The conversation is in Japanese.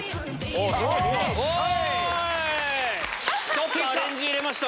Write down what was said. ちょっとアレンジ入れました！